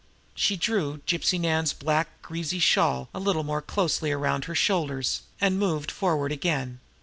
She drew Gypsy Nan's black, greasy shawl a little more closely around her shoulders, and moved forward again.